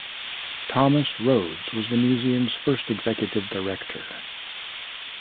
Thomas Rhoads was the Museum's first executive director.